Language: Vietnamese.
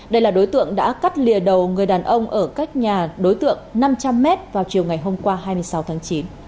đây là đối tượng đã cắt lìa đầu người đàn ông ở cách nhà đối tượng năm trăm linh m vào chiều ngày hôm qua hai mươi sáu tháng chín